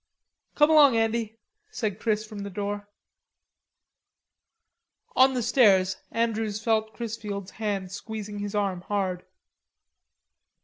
"Come along, Andy," said Chris from the door. On the stairs Andrews felt Chrisfield's hand squeezing his arm hard.